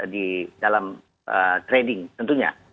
di dalam trading tentunya